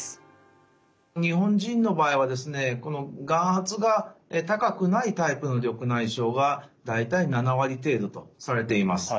日本人の場合はこの眼圧が高くないタイプの緑内障が大体７割程度とされています。